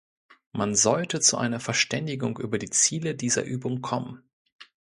Man sollte zu einer Verständigung über die Ziele dieser Übung kommen.